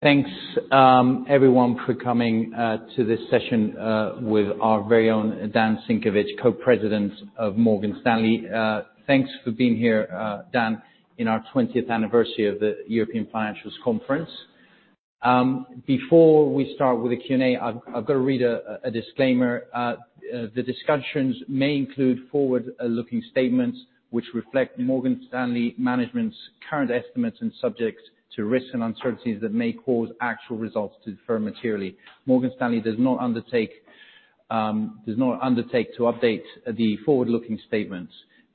Thanks, everyone for coming to this session with our very own Dan Simkowitz, Co-President of Morgan Stanley. Thanks for being here, Dan, in our 20th anniversary of the European Financials Conference. Before we start with the Q&A, I've got to read a disclaimer. The discussions may include forward-looking statements which reflect Morgan Stanley management's current estimates and subject to risks and uncertainties that may cause actual results to differ materially. Morgan Stanley does not undertake to update the forward-looking statements.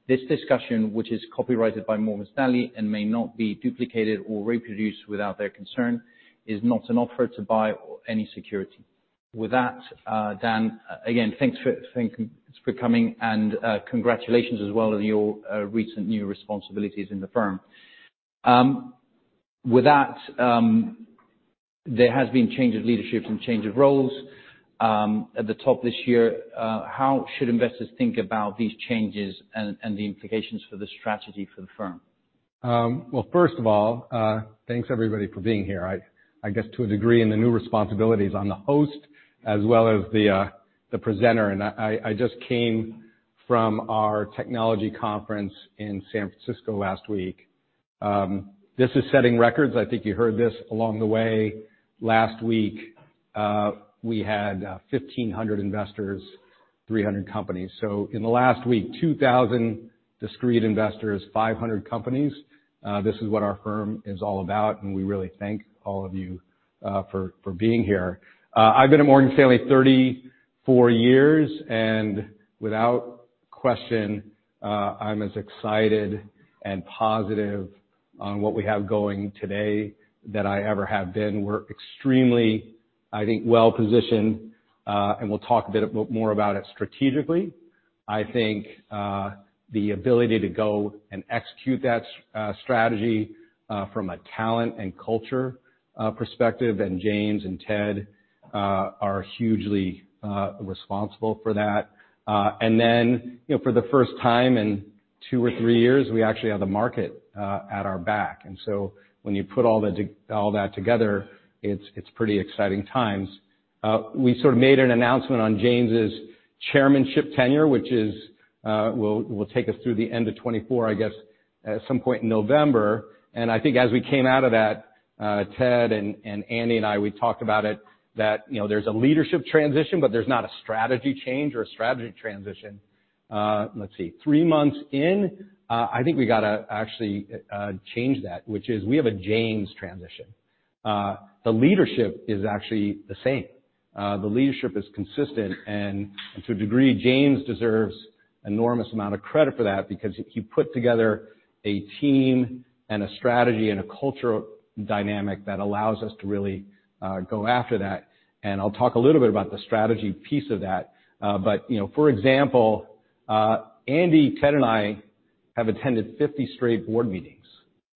This discussion, which is copyrighted by Morgan Stanley and may not be duplicated or reproduced without their consent, is not an offer to buy any security. With that, Dan, again, thanks for coming, and congratulations as well on your recent new responsibilities in the firm. With that, there has been change of leadership and change of roles. At the top this year, how should investors think about these changes and the implications for the strategy for the firm? Well, first of all, thanks everybody for being here. I guess to a degree in the new responsibilities I'm the host as well as the presenter. And I just came from our technology conference in San Francisco last week. This is setting records. I think you heard this along the way. Last week, we had 1,500 investors, 300 companies. So in the last week, 2,000 discrete investors, 500 companies. This is what our firm is all about, and we really thank all of you for being here. I've been at Morgan Stanley 34 years, and without question, I'm as excited and positive on what we have going today that I ever have been. We're extremely, I think, well-positioned, and we'll talk a bit more about it strategically. I think the ability to go and execute that strategy, from a talent and culture perspective, and James and Ted are hugely responsible for that. And then, you know, for the first time in two or three years, we actually have the market at our back. And so when you put all that together, it's pretty exciting times. We sort of made an announcement on James's chairmanship tenure, which will take us through the end of 2024, I guess, at some point in November. And I think as we came out of that, Ted and Andy and I, we talked about it, that, you know, there's a leadership transition, but there's not a strategy change or a strategy transition. Let's see, three months in, I think we got to actually change that, which is we have a James transition. The leadership is actually the same. The leadership is consistent, and to a degree, James deserves enormous amount of credit for that because he, he put together a team and a strategy and a cultural dynamic that allows us to really go after that. And I'll talk a little bit about the strategy piece of that, but, you know, for example, Andy, Ted, and I have attended 50 straight board meetings.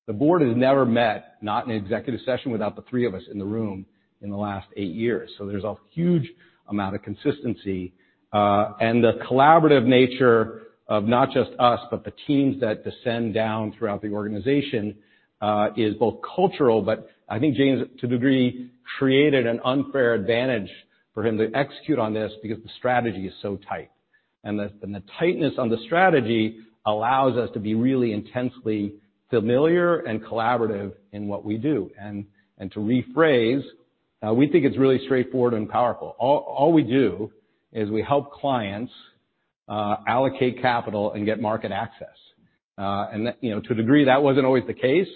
The board has never met, not in an executive session, without the three of us in the room in the last eight years. So there's a huge amount of consistency, and the collaborative nature of not just us, but the teams that descend down throughout the organization, is both cultural, but I think James to a degree created an unfair advantage for him to execute on this because the strategy is so tight. And the tightness on the strategy allows us to be really intensely familiar and collaborative in what we do. And to rephrase, we think it's really straightforward and powerful. All we do is we help clients allocate capital and get market access. And that, you know, to a degree, that wasn't always the case.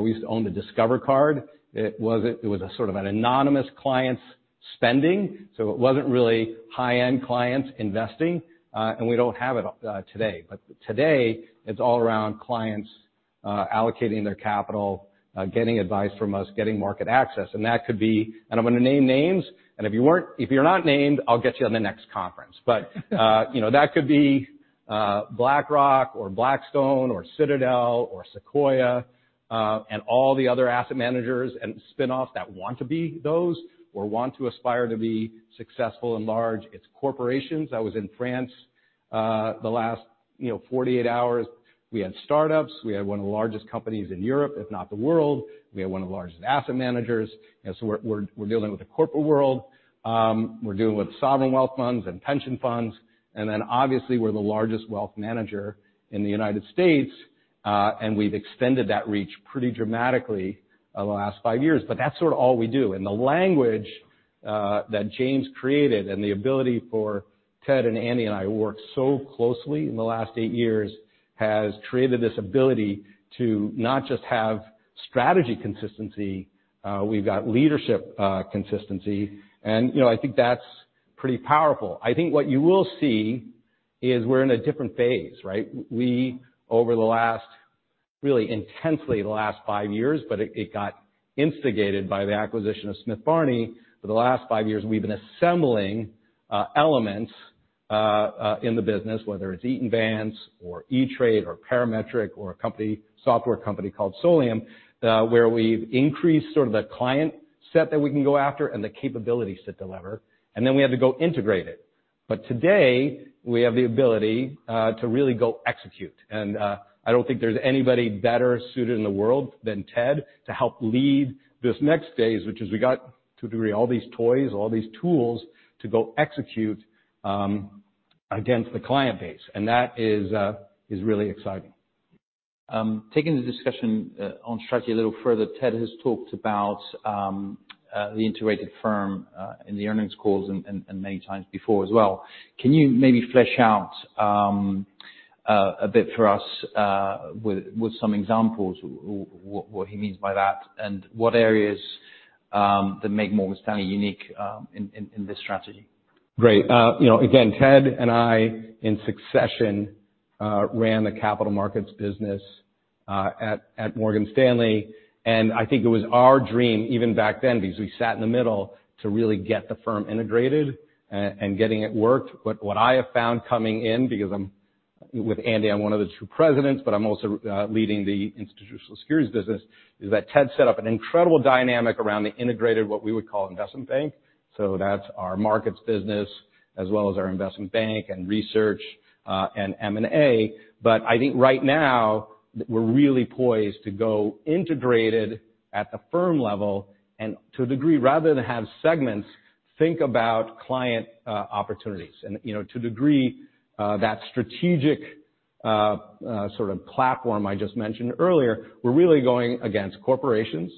We used to own the Discover Card. It was a sort of an anonymous client's spending, so it wasn't really high-end clients investing. And we don't have it today. But today, it's all around clients allocating their capital, getting advice from us, getting market access. And that could be, and I'm going to name names, and if you weren't, if you're not named, I'll get you on the next conference. But, you know, that could be BlackRock or Blackstone or Citadel or Sequoia, and all the other asset managers and spinoffs that want to be those or want to aspire to be successful and large. It's corporations. I was in France the last, you know, 48 hours. We had startups. We had one of the largest companies in Europe, if not the world. We had one of the largest asset managers. You know, so we're dealing with the corporate world. We're dealing with sovereign wealth funds and pension funds. And then obviously, we're the largest wealth manager in the United States, and we've extended that reach pretty dramatically over the last five years. But that's sort of all we do. The language that James created and the ability for Ted and Andy and I to work so closely in the last eight years has created this ability to not just have strategy consistency. We've got leadership consistency. You know, I think that's pretty powerful. I think what you will see is we're in a different phase, right? We over the last really intensely the last five years, but it got instigated by the acquisition of Smith Barney. For the last five years, we've been assembling elements in the business, whether it's Eaton Vance or E*TRADE or Parametric or a company software company called Solium, where we've increased sort of the client set that we can go after and the capabilities to deliver. And then we had to go integrate it. Today, we have the ability to really go execute. I don't think there's anybody better suited in the world than Ted to help lead this next phase, which is we got to a degree all these toys, all these tools to go execute against the client base. That is really exciting. Taking the discussion on strategy a little further, Ted has talked about the integrated firm in the earnings calls and many times before as well. Can you maybe flesh out a bit for us, with some examples, what he means by that and what areas that make Morgan Stanley unique in this strategy? Great. You know, again, Ted and I in succession ran the capital markets business at Morgan Stanley. I think it was our dream even back then because we sat in the middle to really get the firm integrated and getting it worked. But what I have found coming in because I'm with Andy, I'm one of the two presidents, but I'm also leading the institutional securities business, is that Ted set up an incredible dynamic around the integrated what we would call investment bank. So that's our markets business as well as our investment bank and research, and M&A. But I think right now, we're really poised to go integrated at the firm level. To a degree, rather than have segments, think about client opportunities. You know, to a degree, that strategic, sort of platform I just mentioned earlier, we're really going against corporations,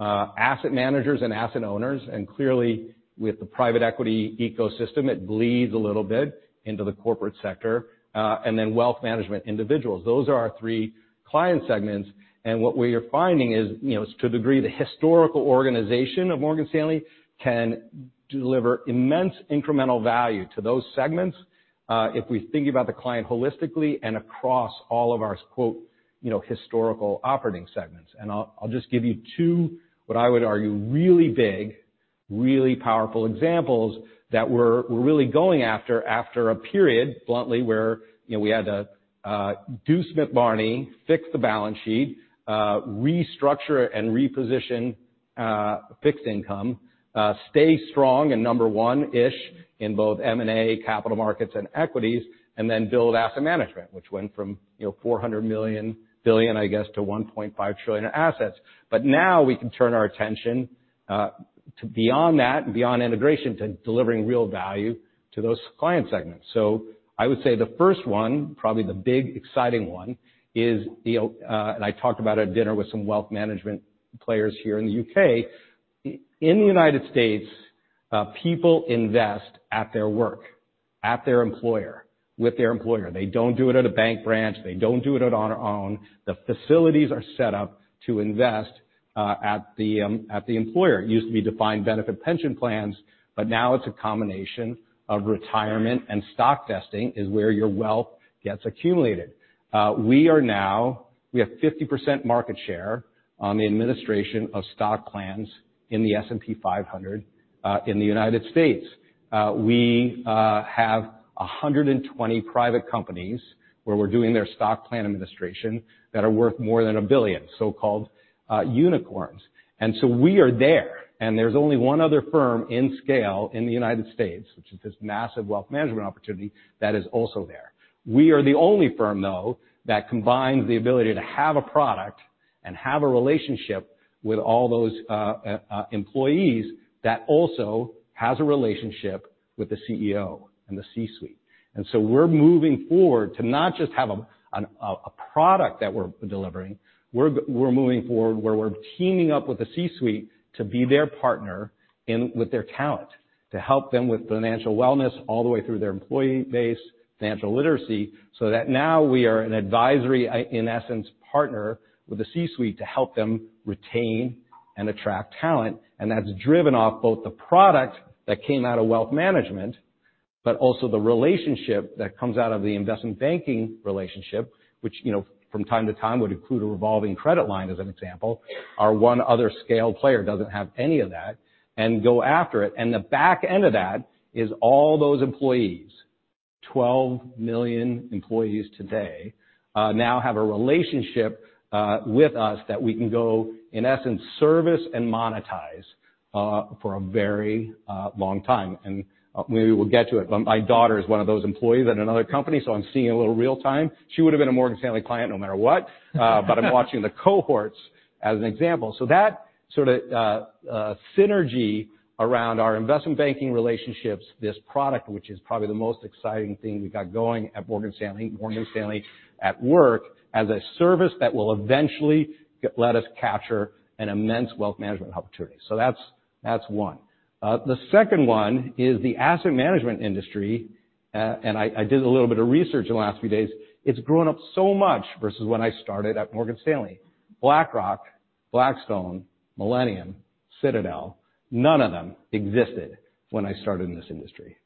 asset managers and asset owners. Clearly, with the private equity ecosystem, it bleeds a little bit into the corporate sector, and then wealth management individuals. Those are our three client segments. What we are finding is, you know, to a degree, the historical organization of Morgan Stanley can deliver immense incremental value to those segments, if we think about the client holistically and across all of our, quote, you know, historical operating segments. I'll just give you two what I would argue really big, really powerful examples that we're really going after after a period, bluntly, where, you know, we had to do Smith Barney, fix the balance sheet, restructure and reposition fixed income, stay strong in number one-ish in both M&A, capital markets, and equities, and then build asset management, which went from, you know, $400 billion, I guess, to $1.5 trillion in assets. But now we can turn our attention to beyond that and beyond integration to delivering real value to those client segments. So I would say the first one, probably the big exciting one, is the, and I talked about at dinner with some wealth management players here in the U.K. In the United States, people invest at their work, at their employer, with their employer. They don't do it at a bank branch. They don't do it on their own. The facilities are set up to invest, at the employer. It used to be defined benefit pension plans, but now it's a combination of retirement and stock vesting is where your wealth gets accumulated. We now have 50% market share on the administration of stock plans in the S&P 500, in the United States. We have 120 private companies where we're doing their stock plan administration that are worth more than a billion, so-called unicorns. And so we are there. And there's only one other firm in scale in the United States, which is this massive wealth management opportunity, that is also there. We are the only firm, though, that combines the ability to have a product and have a relationship with all those employees that also has a relationship with the CEO and the C-suite. So we're moving forward to not just have a product that we're delivering. We're moving forward where we're teaming up with the C-suite to be their partner in with their talent, to help them with financial wellness all the way through their employee base, financial literacy, so that now we are an advisory, in essence, partner with the C-suite to help them retain and attract talent. And that's driven off both the product that came out of wealth management but also the relationship that comes out of the investment banking relationship, which, you know, from time to time would include a revolving credit line, as an example, our one other scale player doesn't have any of that and go after it. And the back end of that is all those employees, 12 million employees today, now have a relationship with us that we can go, in essence, service and monetize, for a very long time. And, maybe we'll get to it. But my daughter is one of those employees at another company, so I'm seeing it a little real time. She would have been a Morgan Stanley client no matter what, but I'm watching the cohorts as an example. So that sort of synergy around our investment banking relationships, this product, which is probably the most exciting thing we got going at Morgan Stanley, Morgan Stanley at Work, as a service that will eventually get let us capture an immense wealth management opportunity. So that's, that's one. The second one is the asset management industry. And I did a little bit of research in the last few days. It's grown up so much versus when I started at Morgan Stanley. BlackRock, Blackstone, Millennium, Citadel, none of them existed when I started in this industry.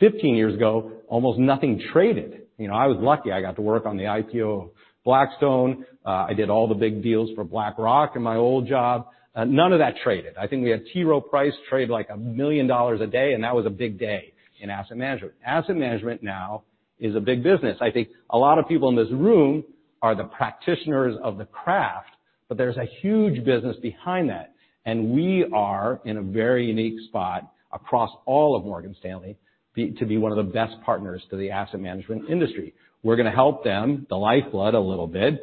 15 years ago, almost nothing traded. You know, I was lucky. I got to work on the IPO of Blackstone. I did all the big deals for BlackRock in my old job. None of that traded. I think we had T. Rowe Price trade like $1 million a day, and that was a big day in asset management. Asset management now is a big business. I think a lot of people in this room are the practitioners of the craft, but there's a huge business behind that. We are in a very unique spot across all of Morgan Stanley to be one of the best partners to the asset management industry. We're going to help them. The lifeblood, a little bit,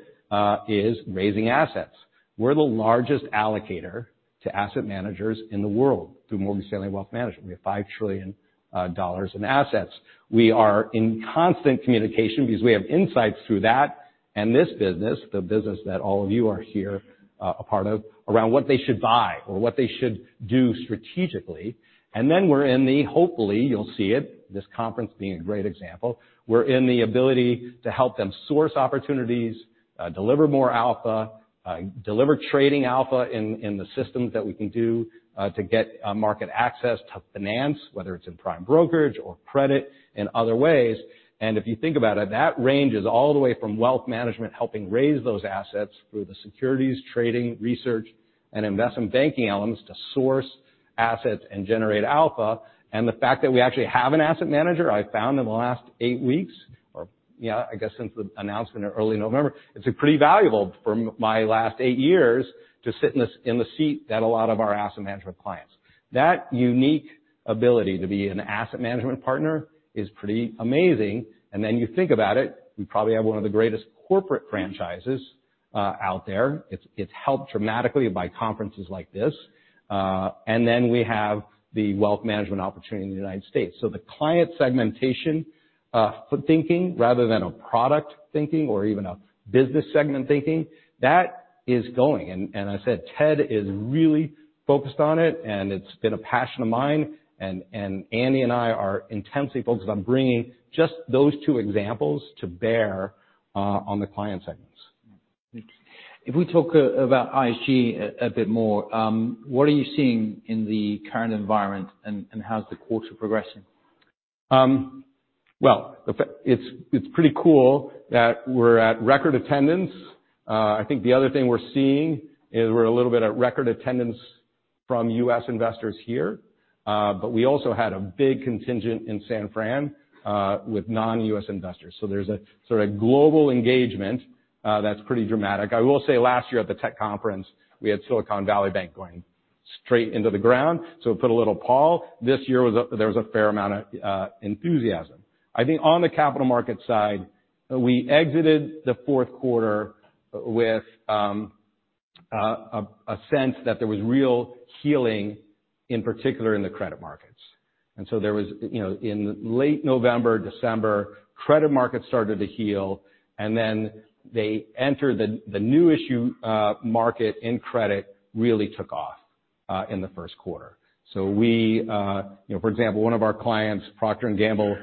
is raising assets. We're the largest allocator to asset managers in the world through Morgan Stanley Wealth Management. We have $5 trillion in assets. We are in constant communication because we have insights through that and this business, the business that all of you are here, a part of, around what they should buy or what they should do strategically. And then we're in the—hopefully, you'll see it—this conference being a great example. We're in the ability to help them source opportunities, deliver more alpha, deliver trading alpha in the systems that we can do, to get market access to finance, whether it's in prime brokerage or credit in other ways. If you think about it, that range is all the way from wealth management helping raise those assets through the securities, trading, research, and investment banking elements to source assets and generate alpha. The fact that we actually have an asset manager, I found in the last eight weeks or, yeah, I guess since the announcement in early November, it's pretty valuable for my last eight years to sit in this seat that a lot of our asset management clients. That unique ability to be an asset management partner is pretty amazing. Then you think about it, we probably have one of the greatest corporate franchises out there. It's helped dramatically by conferences like this, and then we have the wealth management opportunity in the United States. The client segmentation thinking rather than a product thinking or even a business segment thinking, that is going. I said Ted is really focused on it, and it's been a passion of mine. Andy and I are intensely focused on bringing just those two examples to bear on the client segments. If we talk about ISG a bit more, what are you seeing in the current environment, and how's the quarter progressing? Well, the fact it's pretty cool that we're at record attendance. I think the other thing we're seeing is we're a little bit at record attendance from U.S. investors here, but we also had a big contingent in San Francisco with non-U.S. investors. So there's a sort of global engagement that's pretty dramatic. I will say last year at the tech conference, we had Silicon Valley Bank going straight into the ground, so it put a little pause. This year there was a fair amount of enthusiasm. I think on the capital markets side, we exited the fourth quarter with a sense that there was real healing, in particular in the credit markets. And so there was, you know, in late November, December, credit markets started to heal, and then they entered the new issue market in credit really took off in the first quarter. So we, you know, for example, one of our clients, Procter & Gamble,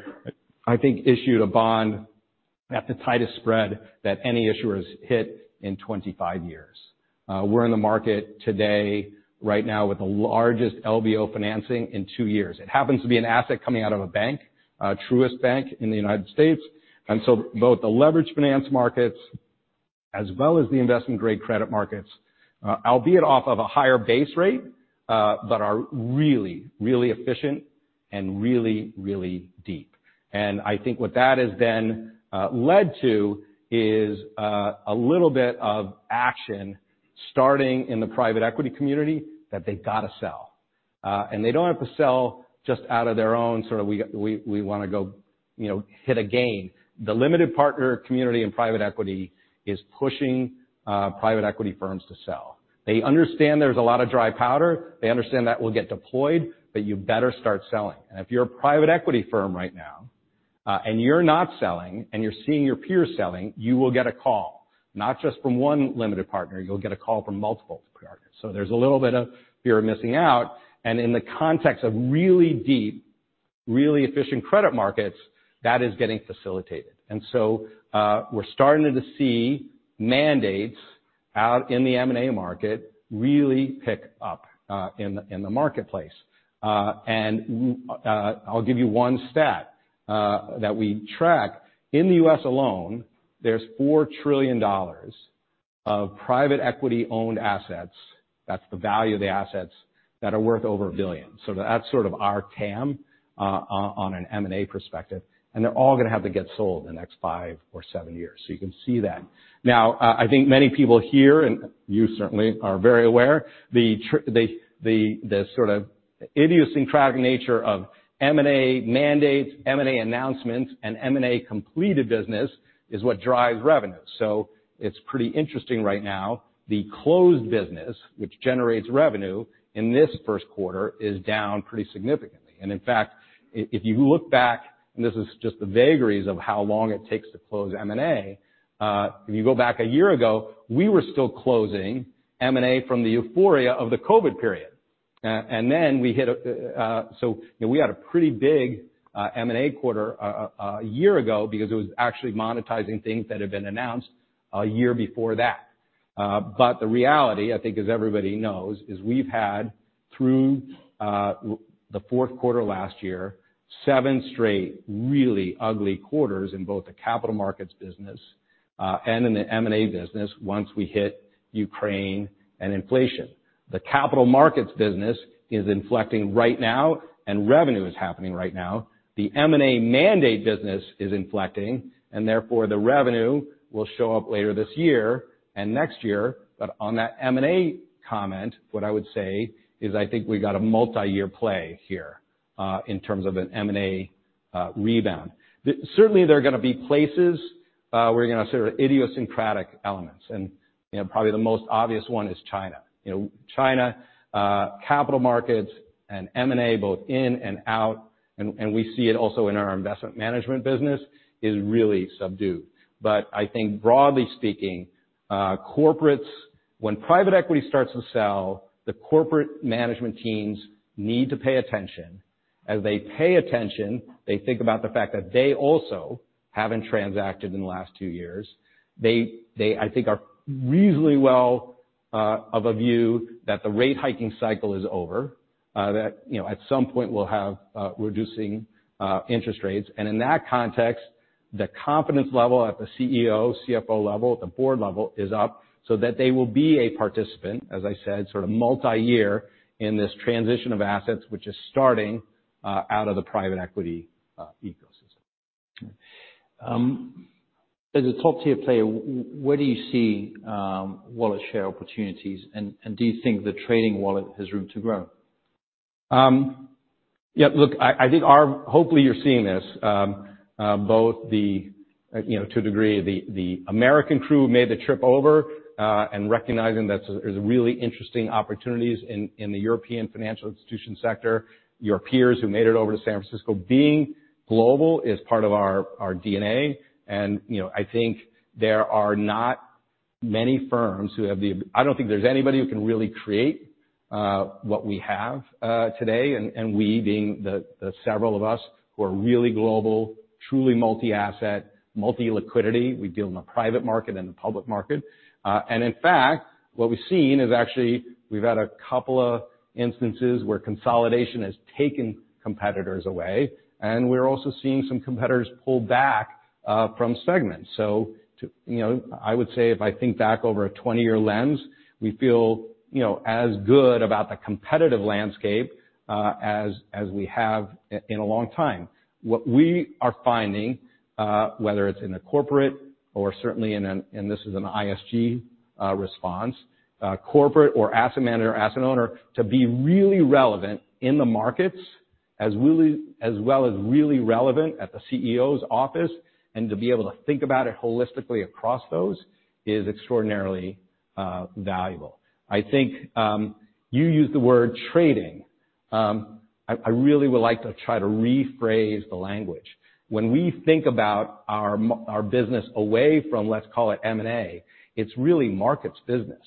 I think issued a bond at the tightest spread that any issuers hit in 25 years. We're in the market today, right now, with the largest LBO financing in 2 years. It happens to be an asset coming out of a bank, a Truist Bank in the United States. And so both the leveraged finance markets as well as the investment-grade credit markets, albeit off of a higher base rate, but are really, really efficient and really, really deep. And I think what that has then, led to is, a little bit of action starting in the private equity community that they've got to sell. They don't have to sell just out of their own sort of, "We want to go, you know, hit a gain." The limited partner community in private equity is pushing private equity firms to sell. They understand there's a lot of dry powder. They understand that will get deployed, but you better start selling. And if you're a private equity firm right now, and you're not selling and you're seeing your peers selling, you will get a call, not just from one limited partner. You'll get a call from multiple partners. So there's a little bit of fear of missing out. And in the context of really deep, really efficient credit markets, that is getting facilitated. And so, we're starting to see mandates out in the M&A market really pick up in the marketplace. And we'll give you one stat that we track. In the U.S. alone, there's $4 trillion of private equity-owned assets. That's the value of the assets that are worth over 1 billion. So that's sort of our TAM, on an M&A perspective. And they're all going to have to get sold in the next 5 or 7 years. So you can see that. Now, I think many people here and you certainly are very aware, the sort of idiosyncratic nature of M&A mandates, M&A announcements, and M&A completed business is what drives revenue. So it's pretty interesting right now. The closed business, which generates revenue in this first quarter, is down pretty significantly. And in fact, if you look back and this is just the vagaries of how long it takes to close M&A, if you go back a year ago, we were still closing M&A from the euphoria of the COVID period. And then we hit a, so, you know, we had a pretty big M&A quarter a year ago because it was actually monetizing things that had been announced a year before that. But the reality, I think, as everybody knows, is we've had through the fourth quarter last year seven straight really ugly quarters in both the capital markets business and in the M&A business once we hit Ukraine and inflation. The capital markets business is inflecting right now, and revenue is happening right now. The M&A mandate business is inflecting, and therefore the revenue will show up later this year and next year. But on that M&A comment, what I would say is I think we got a multi-year play here in terms of an M&A rebound. There certainly are going to be places where you're going to see sort of idiosyncratic elements. You know, probably the most obvious one is China. You know, China, capital markets and M&A both in and out, and we see it also in our investment management business, is really subdued. But I think, broadly speaking, corporates when private equity starts to sell, the corporate management teams need to pay attention. As they pay attention, they think about the fact that they also haven't transacted in the last two years. They I think are reasonably well of a view that the rate hiking cycle is over, that, you know, at some point, we'll have reducing interest rates. And in that context, the confidence level at the CEO, CFO level, at the board level is up so that they will be a participant, as I said, sort of multi-year in this transition of assets, which is starting out of the private equity ecosystem. As a top-tier player, where do you see wallet share opportunities? And do you think the trading wallet has room to grow? Yeah, look, I think, hopefully, you're seeing this, both the, you know, to a degree, the American crew made the trip over, and recognizing that there's really interesting opportunities in the European financial institution sector, your peers who made it over to San Francisco. Being global is part of our DNA. And, you know, I think there are not many firms who have the ability. I don't think there's anybody who can really create what we have today. And we being the several of us who are really global, truly multi-asset, multi-liquidity—we deal in the private market and the public market—and in fact, what we've seen is actually we've had a couple of instances where consolidation has taken competitors away. And we're also seeing some competitors pull back from segments. So too, you know, I would say if I think back over a 20-year lens, we feel, you know, as good about the competitive landscape, as, as we have in, in a long time. What we are finding, whether it's in the corporate or certainly in an ISG response, corporate or asset manager or asset owner, to be really relevant in the markets as really as well as really relevant at the CEO's office and to be able to think about it holistically across those is extraordinarily valuable. I think, you used the word trading. I, I really would like to try to rephrase the language. When we think about our our business away from, let's call it, M&A, it's really markets business.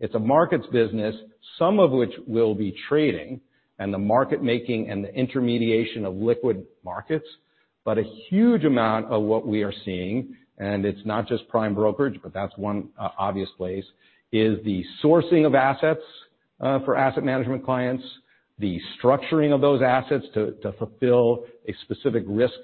It's a markets business, some of which will be trading and the market-making and the intermediation of liquid markets. But a huge amount of what we are seeing - and it's not just prime brokerage, but that's one obvious place - is the sourcing of assets for asset management clients, the structuring of those assets to fulfill a specific risk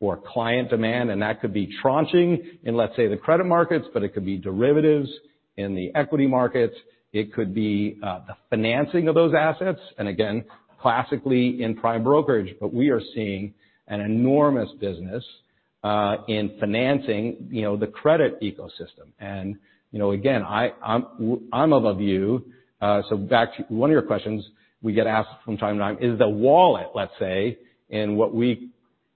or client demand. And that could be tranching in, let's say, the credit markets, but it could be derivatives in the equity markets. It could be the financing of those assets. And again, classically in prime brokerage. But we are seeing an enormous business in financing, you know, the credit ecosystem. And, you know, again, I'm of a view, so back to one of your questions we get asked from time to time, is the wallet, let's say, in what we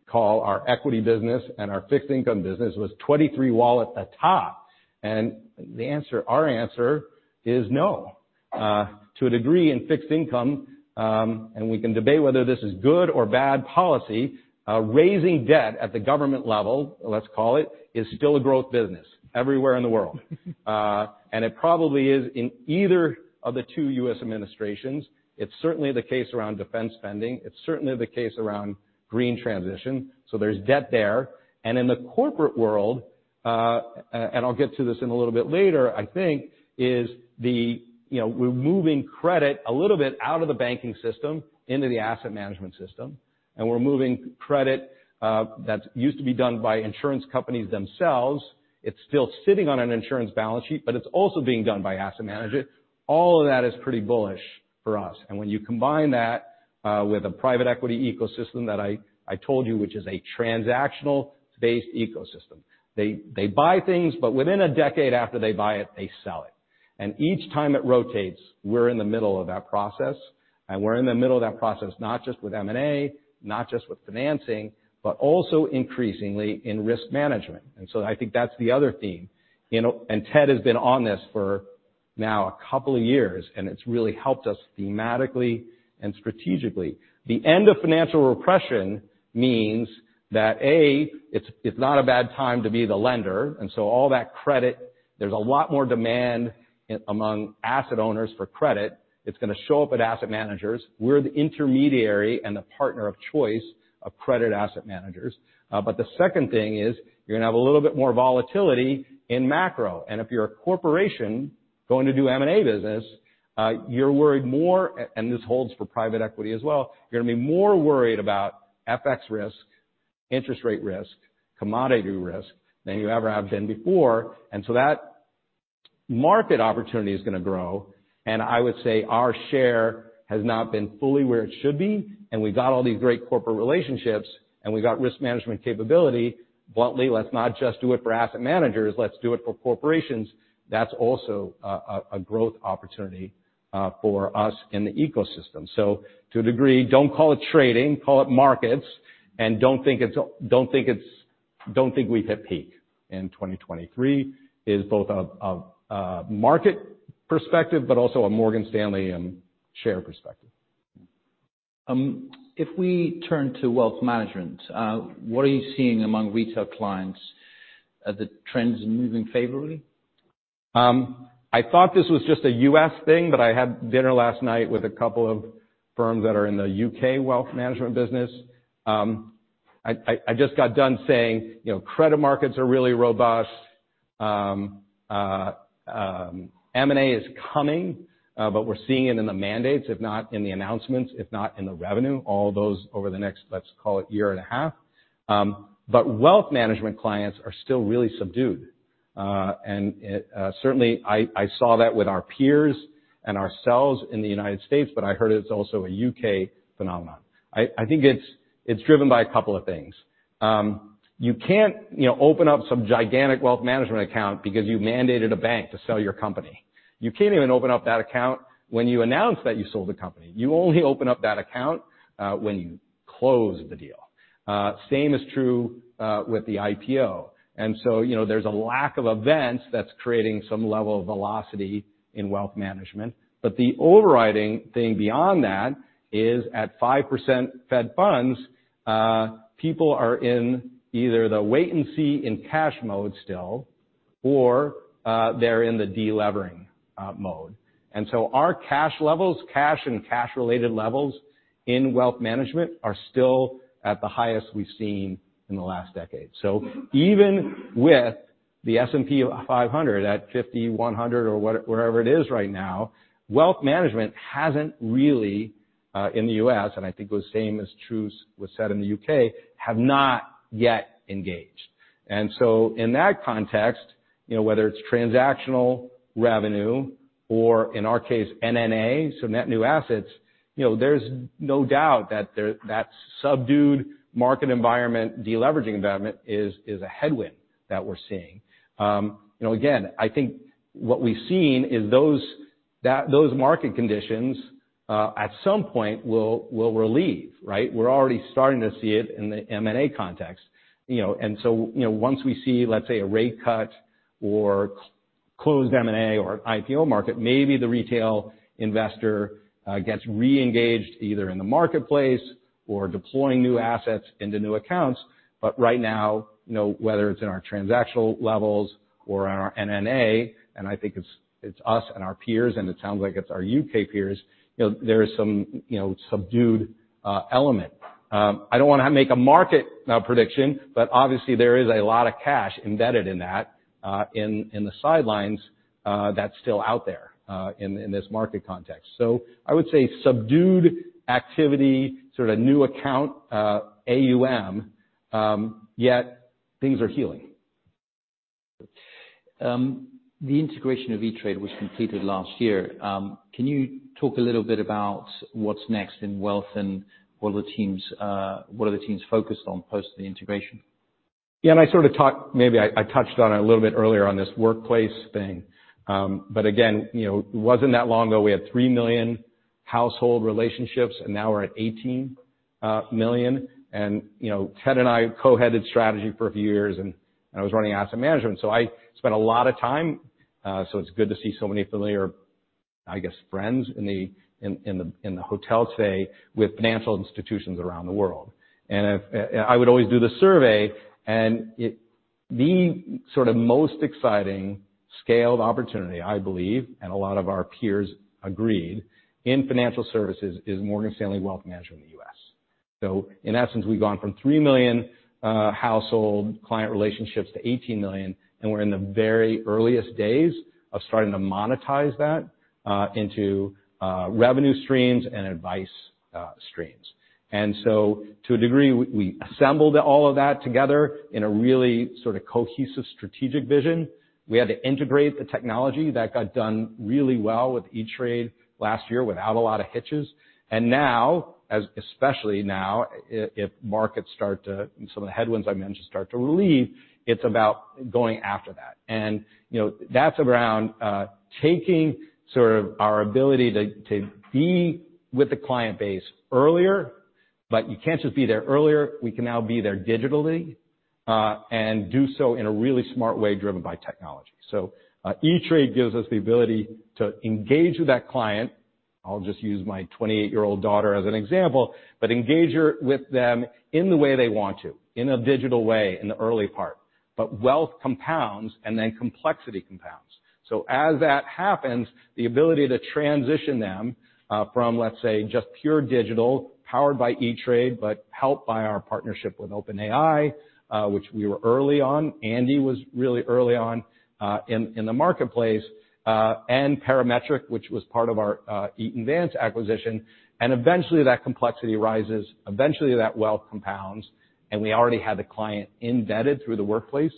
call our equity business and our fixed income business was '23 wallet a top? And the answer, our answer, is no. To a degree, in fixed income, and we can debate whether this is good or bad policy, raising debt at the government level, let's call it, is still a growth business everywhere in the world. It probably is in either of the two U.S. administrations. It's certainly the case around defense spending. It's certainly the case around green transition. So there's debt there. And in the corporate world, and I'll get to this in a little bit later, I think, is the, you know, we're moving credit a little bit out of the banking system into the asset management system. And we're moving credit, that used to be done by insurance companies themselves. It's still sitting on an insurance balance sheet, but it's also being done by asset managers. All of that is pretty bullish for us. And when you combine that with a private equity ecosystem that I, I told you, which is a transactional-based ecosystem, they, they buy things, but within a decade after they buy it, they sell it. And each time it rotates, we're in the middle of that process. And we're in the middle of that process not just with M&A, not just with financing, but also increasingly in risk management. And so I think that's the other theme. You know, and Ted has been on this for now a couple of years, and it's really helped us thematically and strategically. The end of financial repression means that, A, it's, it's not a bad time to be the lender. And so all that credit, there's a lot more demand among asset owners for credit. It's going to show up at asset managers. We're the intermediary and the partner of choice of credit asset managers. But the second thing is you're going to have a little bit more volatility in macro. And if you're a corporation going to do M&A business, you're worried more and this holds for private equity as well. You're going to be more worried about FX risk, interest rate risk, commodity risk than you ever have been before. And so that market opportunity is going to grow. And I would say our share has not been fully where it should be. And we got all these great corporate relationships, and we got risk management capability. Bluntly, let's not just do it for asset managers. Let's do it for corporations. That's also a growth opportunity for us in the ecosystem. So to a degree, don't call it trading. Call it markets. Don't think we've hit peak in 2023 is both a market perspective but also a Morgan Stanley share perspective. If we turn to wealth management, what are you seeing among retail clients? Are the trends moving favorably? I thought this was just a U.S. thing, but I had dinner last night with a couple of firms that are in the U.K. wealth management business. I just got done saying, you know, credit markets are really robust. M&A is coming, but we're seeing it in the mandates, if not in the announcements, if not in the revenue, all those over the next, let's call it, year and a half. But wealth management clients are still really subdued. And it certainly. I saw that with our peers and ourselves in the United States, but I heard it's also a U.K. phenomenon. I think it's driven by a couple of things. You can't, you know, open up some gigantic wealth management account because you mandated a bank to sell your company. You can't even open up that account when you announce that you sold the company. You only open up that account when you close the deal. Same is true with the IPO. And so, you know, there's a lack of events that's creating some level of velocity in wealth management. But the overriding thing beyond that is at 5% Fed funds, people are in either the wait and see in cash mode still or they're in the delevering mode. And so our cash levels, cash and cash-related levels in wealth management are still at the highest we've seen in the last decade. So even with the S&P 500 at 5,100 or what it wherever it is right now, wealth management hasn't really in the U.S. - and I think it was same as true was said in the U.K. - have not yet engaged. In that context, you know, whether it's transactional revenue or, in our case, NNA, so net new assets, you know, there's no doubt that the subdued market environment, deleveraging environment, is a headwind that we're seeing. You know, again, I think what we've seen is those market conditions, at some point will relieve, right? We're already starting to see it in the M&A context. You know, and so, you know, once we see, let's say, a rate cut or closed M&A or an IPO market, maybe the retail investor gets reengaged either in the marketplace or deploying new assets into new accounts. Right now, you know, whether it's in our transactional levels or in our NNA, and I think it's us and our peers, and it sounds like it's our U.K. peers, you know, there is some subdued element. I don't want to make a market prediction, but obviously, there is a lot of cash embedded in that, in the sidelines, that's still out there, in this market context. So I would say subdued activity, sort of new account AUM, yet things are healing. The integration of E*TRADE was completed last year. Can you talk a little bit about what's next in wealth and what are the teams, what are the teams focused on post the integration? Yeah, and I sort of talked maybe I, I touched on it a little bit earlier on this workplace thing. But again, you know, it wasn't that long ago. We had 3 million household relationships, and now we're at 18 million. And, you know, Ted and I co-headed strategy for a few years, and, and I was running asset management. So I spent a lot of time. So it's good to see so many familiar, I guess, friends in the hotel today with financial institutions around the world. And if, I would always do the survey, and it the sort of most exciting scaled opportunity, I believe, and a lot of our peers agreed in financial services is Morgan Stanley wealth management in the U.S. So in essence, we've gone from 3 million household client relationships to 18 million, and we're in the very earliest days of starting to monetize that into revenue streams and advice streams. So to a degree, we assembled all of that together in a really sort of cohesive strategic vision. We had to integrate the technology. That got done really well with E*TRADE last year without a lot of hitches. And now, as especially now, if markets start to some of the headwinds I mentioned start to relieve, it's about going after that. And you know, that's around taking sort of our ability to be with the client base earlier, but you can't just be there earlier. We can now be there digitally, and do so in a really smart way driven by technology. So, ETRADE gives us the ability to engage with that client—I'll just use my 28-year-old daughter as an example—but engage her with them in the way they want to, in a digital way in the early part. But wealth compounds, and then complexity compounds. So as that happens, the ability to transition them, from, let's say, just pure digital powered by E*TRADE but helped by our partnership with OpenAI, which we were early on—Andy was really early on, in, in the marketplace—and Parametric, which was part of our, Eaton Vance acquisition. And eventually, that complexity rises. Eventually, that wealth compounds. And we already had the client embedded through the workplace.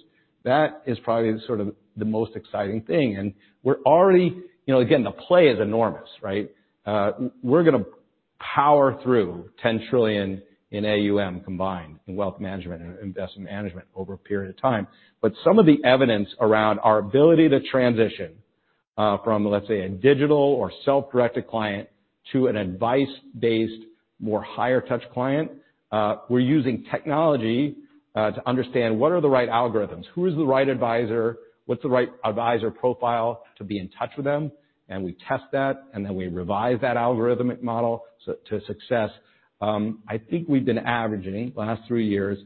That is probably sort of the most exciting thing. And we're already you know, again, the play is enormous, right? We're going to power through 10 trillion in AUM combined in wealth management and investment management over a period of time. But some of the evidence around our ability to transition, from, let's say, a digital or self-directed client to an advice-based, more higher-touch client, we're using technology, to understand what are the right algorithms, who is the right advisor, what's the right advisor profile to be in touch with them. And we test that, and then we revise that algorithmic model so to success. I think we've been averaging, last three years,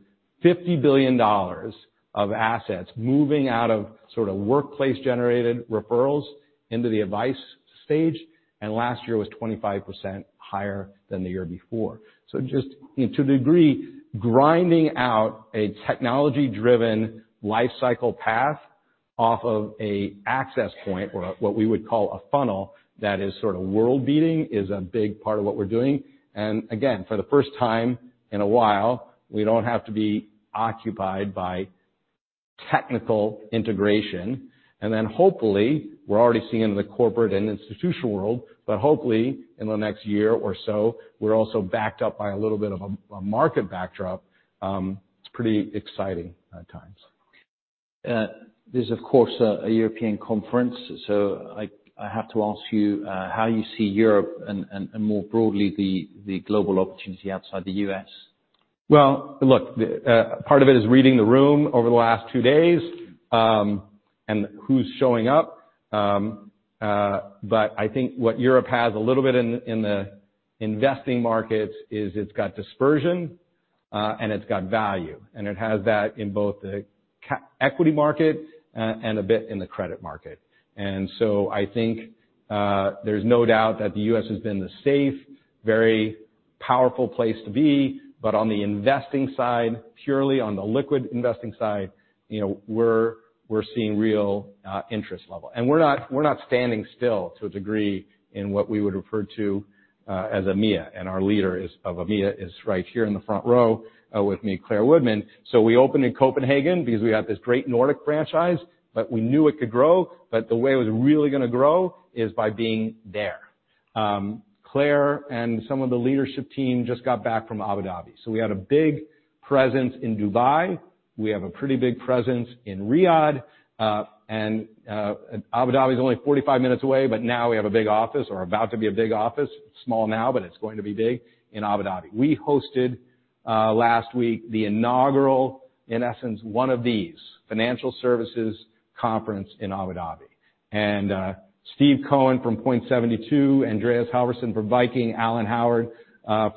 $50 billion of assets moving out of sort of workplace-generated referrals into the advice stage. And last year was 25% higher than the year before. So just, you know, to a degree, grinding out a technology-driven lifecycle path off of an access point or a what we would call a funnel that is sort of world-beating is a big part of what we're doing. And again, for the first time in a while, we don't have to be occupied by technical integration. And then hopefully, we're already seeing it in the corporate and institutional world, but hopefully, in the next year or so, we're also backed up by a little bit of a market backdrop. It's pretty exciting times. There's, of course, a European conference. So I have to ask you, how you see Europe and more broadly the global opportunity outside the US? Well, look, the part of it is reading the room over the last two days, and who's showing up. But I think what Europe has a little bit in the investing markets is it's got dispersion, and it's got value. And it has that in both the cash equity market, and a bit in the credit market. And so I think, there's no doubt that the U.S. has been the safe, very powerful place to be. But on the investing side, purely on the liquid investing side, you know, we're seeing real interest level. And we're not standing still to a degree in what we would refer to as EMEA. And our leader of EMEA is right here in the front row with me, Claire Woodman. So we opened in Copenhagen because we got this great Nordic franchise, but we knew it could grow. But the way it was really going to grow is by being there. Claire and some of the leadership team just got back from Abu Dhabi. So we had a big presence in Dubai. We have a pretty big presence in Riyadh. And Abu Dhabi's only 45 minutes away, but now we have a big office or about to be a big office. It's small now, but it's going to be big in Abu Dhabi. We hosted last week the inaugural, in essence, one of these financial services conference in Abu Dhabi. And Steve Cohen from Point72, Andreas Halvorsen from Viking, Alan Howard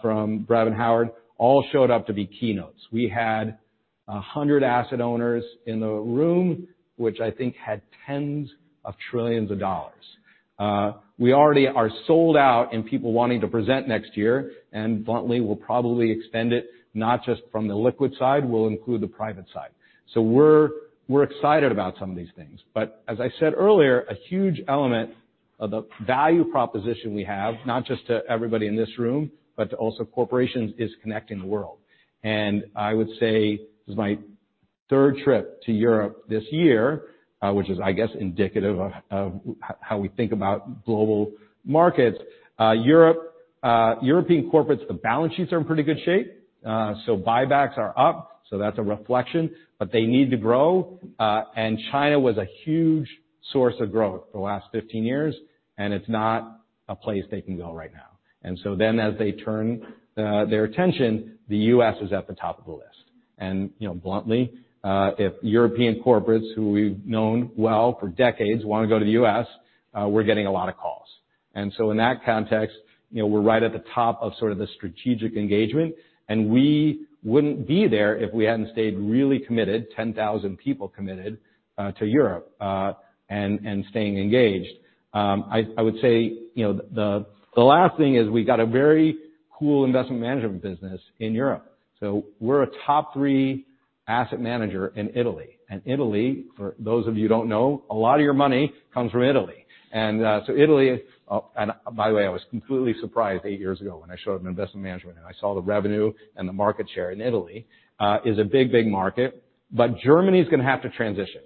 from Brevan Howard, all showed up to be keynotes. We had 100 asset owners in the room, which I think had $10s of trillions. We already are sold out in people wanting to present next year. Bluntly, we'll probably extend it not just from the liquid side. We'll include the private side. We're, we're excited about some of these things. But as I said earlier, a huge element of the value proposition we have, not just to everybody in this room but to also corporations, is connecting the world. I would say this is my third trip to Europe this year, which is, I guess, indicative of how we think about global markets. Europe, European corporates, the balance sheets are in pretty good shape. So buybacks are up. That's a reflection. But they need to grow. And China was a huge source of growth for the last 15 years, and it's not a place they can go right now. As they turn their attention, the U.S. is at the top of the list. You know, bluntly, if European corporates who we've known well for decades want to go to the U.S., we're getting a lot of calls. So in that context, you know, we're right at the top of sort of the strategic engagement. We wouldn't be there if we hadn't stayed really committed, 10,000 people committed, to Europe, and staying engaged. I, I would say, you know, the, the last thing is we got a very cool investment management business in Europe. We're a top-three asset manager in Italy. Italy, for those of you who don't know, a lot of your money comes from Italy. So Italy. Oh, and by the way, I was completely surprised eight years ago when I showed them investment management. I saw the revenue and the market share in Italy. It is a big, big market. But Germany's going to have to transition.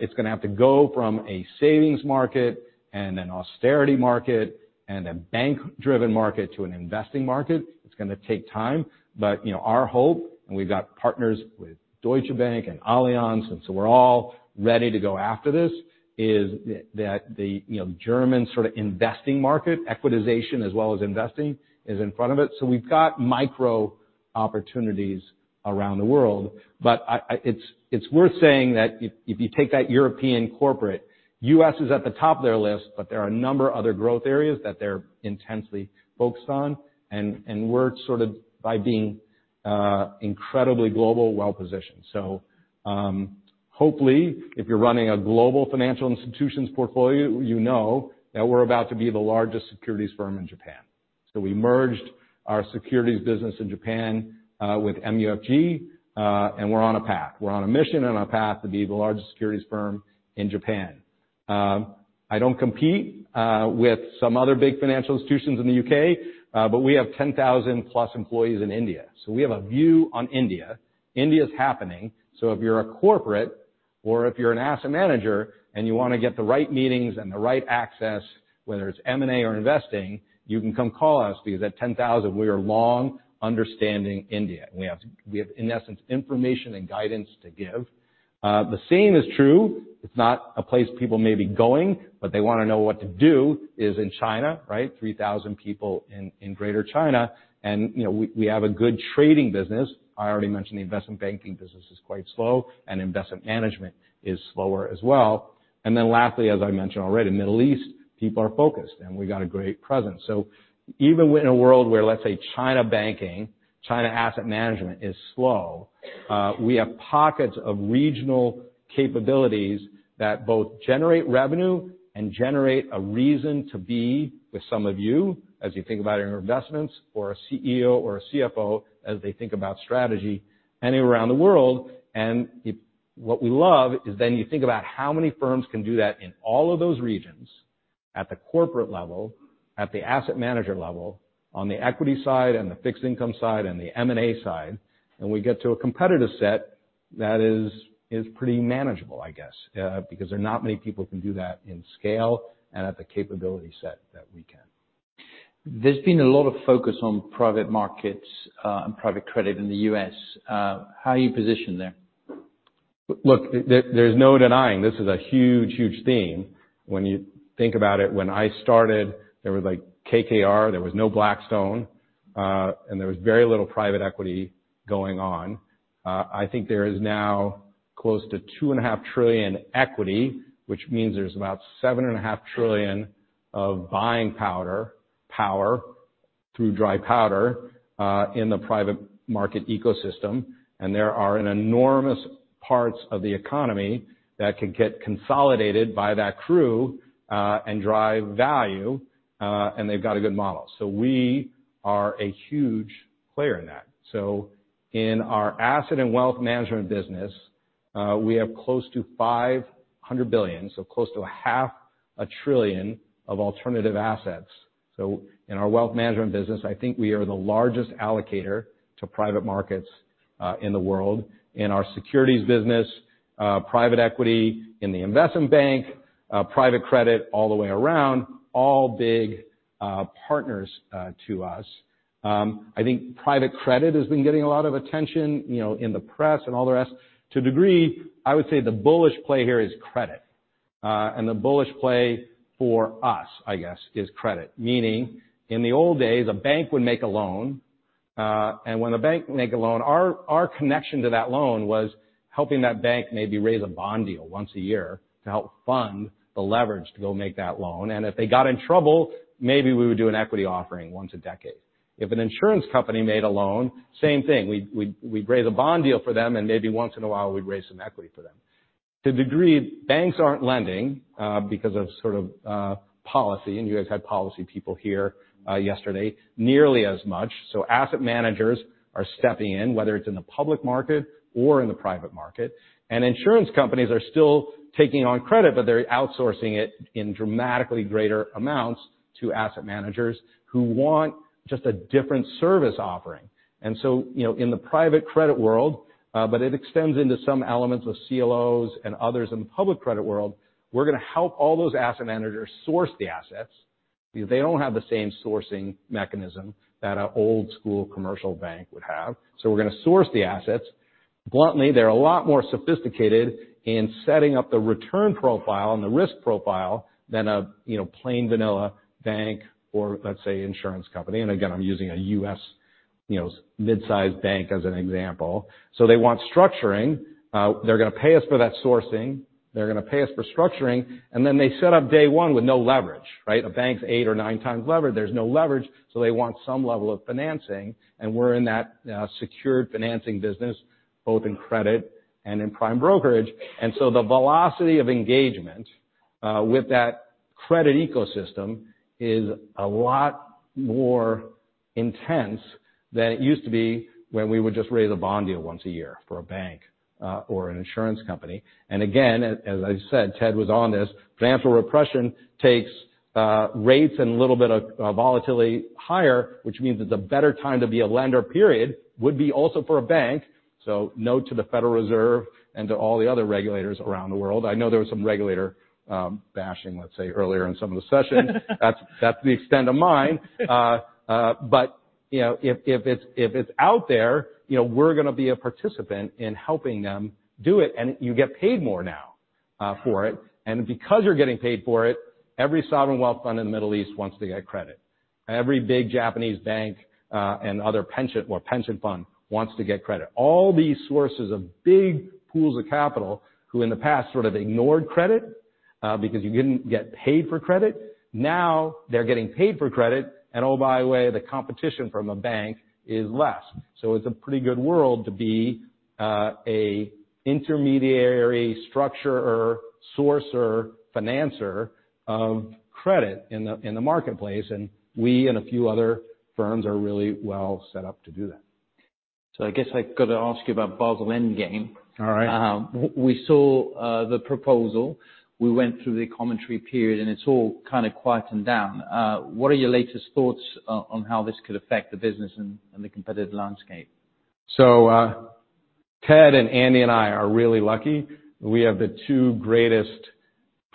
It's going to have to go from a savings market and an austerity market and a bank-driven market to an investing market. It's going to take time. But, you know, our hope, and we've got partners with Deutsche Bank and Allianz, and so we're all ready to go after this, is that the, you know, German sort of investing market, equitization as well as investing, is in front of it. So we've got micro opportunities around the world. But it's worth saying that if you take that European corporate, US is at the top of their list, but there are a number of other growth areas that they're intensely focused on. And we're sort of by being incredibly global well-positioned. So, hopefully, if you're running a global financial institutions portfolio, you know that we're about to be the largest securities firm in Japan. So we merged our securities business in Japan with MUFG, and we're on a path. We're on a mission and on a path to be the largest securities firm in Japan. I don't compete with some other big financial institutions in the UK, but we have 10,000+ employees in India. So we have a view on India. India's happening. So if you're a corporate or if you're an asset manager and you want to get the right meetings and the right access, whether it's M&A or investing, you can come call us because at 10,000, we are long understanding India. And we have, in essence, information and guidance to give. The same is true. It's not a place people may be going, but they want to know what to do is in China, right? 3,000 people in Greater China. And, you know, we have a good trading business. I already mentioned the investment banking business is quite slow, and investment management is slower as well. And then lastly, as I mentioned already, Middle East, people are focused, and we got a great presence. So even in a world where, let's say, China banking, China asset management is slow, we have pockets of regional capabilities that both generate revenue and generate a reason to be with some of you as you think about your investments or a CEO or a CFO as they think about strategy anywhere around the world. What we love is then you think about how many firms can do that in all of those regions at the corporate level, at the asset manager level, on the equity side and the fixed income side and the M&A side. We get to a competitive set that is pretty manageable, I guess, because there are not many people who can do that in scale and at the capability set that we can. There's been a lot of focus on private markets, and private credit in the U.S. How are you positioned there? Look, there's no denying this is a huge, huge theme. When you think about it, when I started, there was, like, KKR. There was no Blackstone, and there was very little private equity going on. I think there is now close to $2.5 trillion equity, which means there's about $7.5 trillion of dry powder in the private market ecosystem. And there are enormous parts of the economy that could get consolidated by that crew, and drive value, and they've got a good model. So we are a huge player in that. So in our asset and wealth management business, we have close to $500 billion, so close to $0.5 trillion of alternative assets. So in our wealth management business, I think we are the largest allocator to private markets in the world. In our securities business, private equity in the investment bank, private credit all the way around, all big partners to us. I think private credit has been getting a lot of attention, you know, in the press and all the rest. To a degree, I would say the bullish play here is credit. And the bullish play for us, I guess, is credit. Meaning, in the old days, a bank would make a loan. And when the bank would make a loan, our connection to that loan was helping that bank maybe raise a bond deal once a year to help fund the leverage to go make that loan. And if they got in trouble, maybe we would do an equity offering once a decade. If an insurance company made a loan, same thing. We'd raise a bond deal for them, and maybe once in a while, we'd raise some equity for them. To a degree, banks aren't lending, because of sort of policy. And you guys had policy people here yesterday, nearly as much. So asset managers are stepping in, whether it's in the public market or in the private market. And insurance companies are still taking on credit, but they're outsourcing it in dramatically greater amounts to asset managers who want just a different service offering. And so, you know, in the private credit world, but it extends into some elements of CLOs and others in the public credit world, we're going to help all those asset managers source the assets because they don't have the same sourcing mechanism that an old-school commercial bank would have. So we're going to source the assets. Bluntly, they're a lot more sophisticated in setting up the return profile and the risk profile than a, you know, plain vanilla bank or, let's say, insurance company. And again, I'm using a U.S., you know, mid-sized bank as an example. So they want structuring. They're going to pay us for that sourcing. They're going to pay us for structuring. And then they set up day one with no leverage, right? A bank's 8 or 9 times leveraged. There's no leverage. So they want some level of financing. And we're in that, secured financing business, both in credit and in prime brokerage. And so the velocity of engagement, with that credit ecosystem is a lot more intense than it used to be when we would just raise a bond deal once a year for a bank, or an insurance company. And again, as I said, Ted was on this, financial repression takes rates and a little bit of volatility higher, which means it's a better time to be a lender, period, would be also for a bank. So note to the Federal Reserve and to all the other regulators around the world. I know there was some regulator bashing, let's say, earlier in some of the sessions. That's the extent of mine. But you know, if it's out there, you know, we're going to be a participant in helping them do it. And you get paid more now for it. And because you're getting paid for it, every sovereign wealth fund in the Middle East wants to get credit. Every big Japanese bank, and other pension or pension fund wants to get credit. All these sources of big pools of capital who in the past sort of ignored credit, because you didn't get paid for credit, now they're getting paid for credit. And oh, by the way, the competition from a bank is less. So it's a pretty good world to be, a intermediary structure or source or financer of credit in the marketplace. And we and a few other firms are really well set up to do that. I guess I've got to ask you about Basel Endgame. All right. We saw the proposal. We went through the commentary period, and it's all kind of quieted down. What are your latest thoughts on how this could affect the business and the competitive landscape? So, Ted and Andy and I are really lucky. We have the two greatest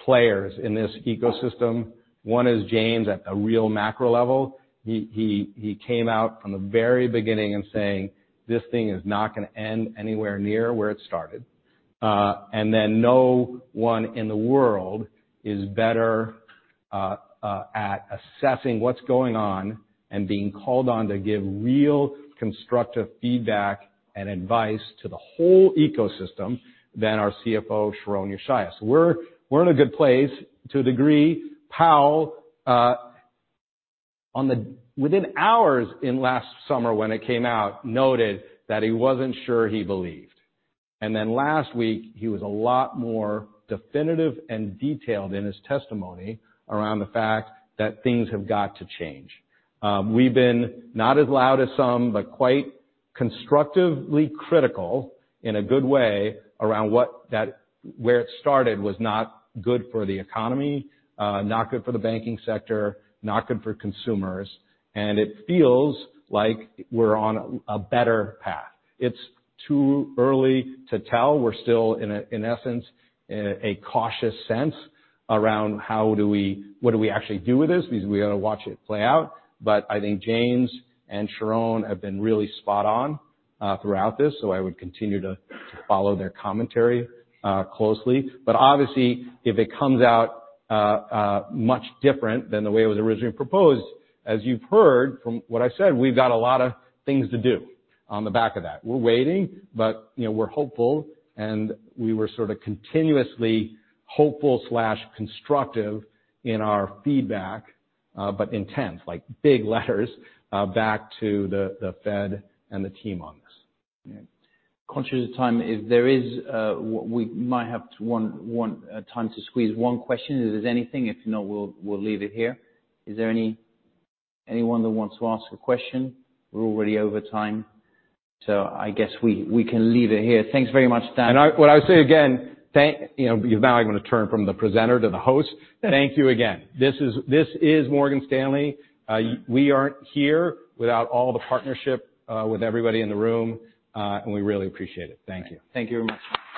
players in this ecosystem. One is James at the real macro level. He came out from the very beginning and saying, "This thing is not going to end anywhere near where it started," and then no one in the world is better at assessing what's going on and being called on to give real constructive feedback and advice to the whole ecosystem than our CFO, Sharon Yeshaya. So we're in a good place. To a degree, Powell, on the within hours in last summer when it came out, noted that he wasn't sure he believed. And then last week, he was a lot more definitive and detailed in his testimony around the fact that things have got to change. We've been not as loud as some but quite constructively critical in a good way around what that where it started was not good for the economy, not good for the banking sector, not good for consumers. It feels like we're on a, a better path. It's too early to tell. We're still in a in essence, a cautious sense around how do we what do we actually do with this because we got to watch it play out. But I think James and Sharon have been really spot on, throughout this. So I would continue to, to follow their commentary, closely. But obviously, if it comes out, much different than the way it was originally proposed, as you've heard from what I said, we've got a lot of things to do on the back of that. We're waiting, but, you know, we're hopeful. And we were sort of continuously hopeful, constructive in our feedback, but intense, like big letters, back to the Fed and the team on this. Yeah. Conscious of time, if there is, we might have one time to squeeze one question. If there's anything, if not, we'll leave it here. Is there anyone that wants to ask a question? We're already over time. So I guess we can leave it here. Thanks very much, Dan. What I'll say again, that you know, you're now going to turn from the presenter to the host. Thank you again. This is Morgan Stanley. We aren't here without all the partnership with everybody in the room. We really appreciate it. Thank you. Thank you very much.